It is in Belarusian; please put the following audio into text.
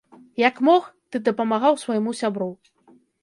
Як мог, ты дапамагаў свайму сябру.